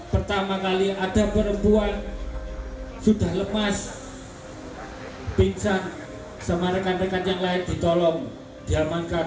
pertama kali ada perempuan sudah lemas pingsan sama rekan rekan yang lain ditolong diamankan